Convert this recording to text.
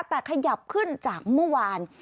แต่ขยับขึ้นจากเมื่อวาน